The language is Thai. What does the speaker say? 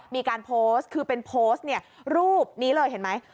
มีการโพสต์คือเป็นโพสต์เนี่ยรูปนี้เลยเห็นไหม